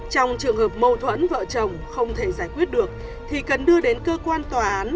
trong trường hợp mâu thuẫn vợ chồng không thể giải quyết được thì cần đưa đến cơ quan tòa án